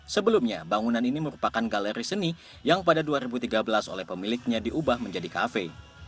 sebelumnya bangunan ini merupakan galeri seni yang pada dua ribu tiga belas oleh pemiliknya diubah menjadi kafe